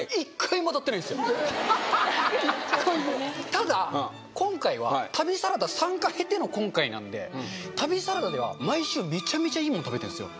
ただ今回は旅サラダ参加経て旅サラダでは毎週めちゃめちゃいいもん食べてるんですよ